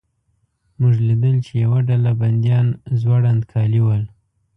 موږ لیدل چې یوه ډله بندیان زوړند کالي ول.